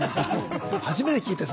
初めて聞いたよ